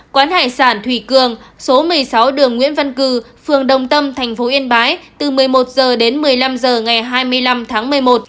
quán hải sản thủy cường số một mươi sáu đường nguyễn văn cử phường đồng tâm thành phố yên bái từ một mươi một h đến một mươi năm h ngày hai mươi năm tháng một mươi một